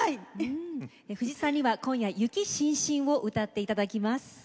藤さんには今夜「雪深深」を歌っていただきます。